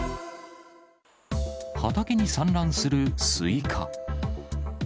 畑に散乱するスイカ。